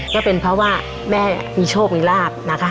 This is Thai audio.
ก็เป็นเพราะว่าแม่มีโชคมีลาบนะคะ